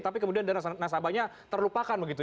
tapi kemudian dana nasabahnya terlupakan begitu